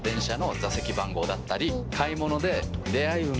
買い物で。